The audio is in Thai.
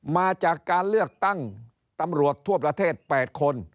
มาจากการเลือกตั้งตำรวจทั่วประเทศ๘คน